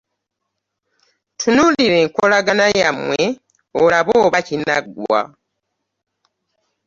Tunuulira enkolagana yammwe olabe oba kinaggwa.